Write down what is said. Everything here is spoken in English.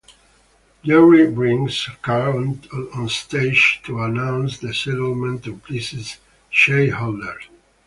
Gerri brings Karl onstage to announce the settlement to pleased shareholders.